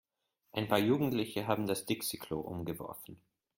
Ein paar Jugendliche haben das Dixi-Klo umgeworfen.